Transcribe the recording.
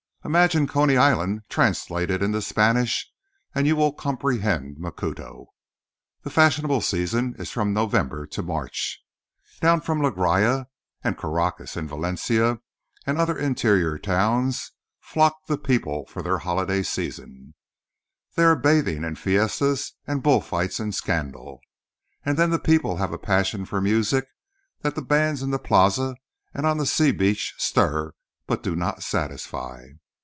Imagine Coney Island translated into Spanish and you will comprehend Macuto. The fashionable season is from November to March. Down from La Guayra and Caracas and Valencia and other interior towns flock the people for their holiday season. There are bathing and fiestas and bull fights and scandal. And then the people have a passion for music that the bands in the plaza and on the sea beach stir but do not satisfy.